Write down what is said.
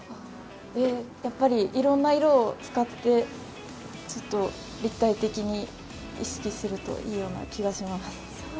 やっぱり、いろんな色を使って、立体的に意識するといいような気がします。